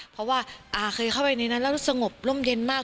เพราะว่าเคยเข้าไปในนั้นแล้วสงบร่มเย็นมาก